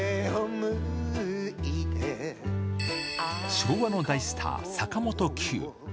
昭和の大スター、坂本九。